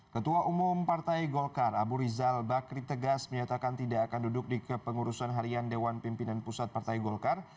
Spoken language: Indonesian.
ketua umum partai golkar abu rizal bakri tegas menyatakan tidak akan duduk di kepengurusan harian dewan pimpinan pusat partai golkar